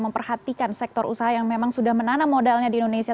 memperhatikan sektor usaha yang memang sudah menanam modalnya di indonesia